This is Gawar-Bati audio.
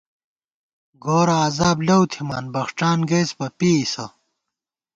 گورَہ عذاب لَؤ تھِمان ، بخڄان گئیس بہ پېئیسہ